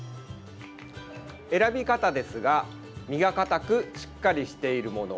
選び方ですが、身が固くしっかりしているもの。